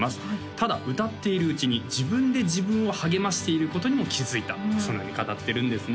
ただ歌っているうちに自分で自分を励ましていることにも気づいたそのように語ってるんですね